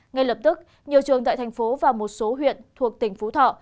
ngay lập tức nhiều trường tại thành phố và một số huyện thuộc tỉnh phú thọ